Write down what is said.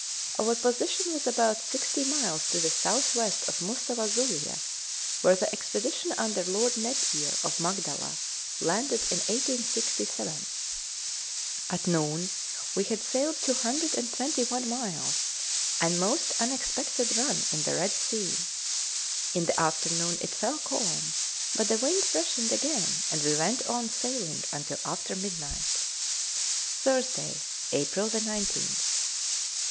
Our position was about 60 miles to the south west of Mussawa Zoulia, where the expedition under Lord Napier of Magdala landed in 1867. At noon we had sailed 221 miles, a most unexpected run in the Red Sea. In the afternoon it fell calm, but the wind freshened again, and we went on sailing until after midnight. Thursday, April 19th.